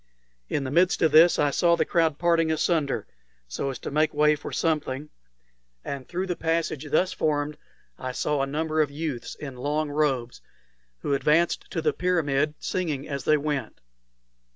In the midst of this I saw the crowd parting asunder so as to make way for something; and through the passage thus formed I saw a number of youths in long robes, who advanced to the pyramid, singing as they went.